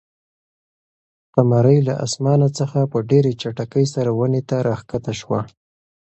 قمرۍ له اسمانه څخه په ډېرې چټکۍ سره ونې ته راښکته شوه.